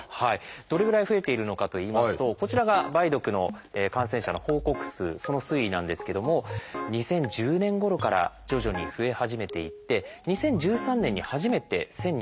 どれぐらい増えているのかといいますとこちらが梅毒の感染者の報告数その推移なんですけども２０１０年ごろから徐々に増え始めていって２０１３年に初めて１，０００人を超えました。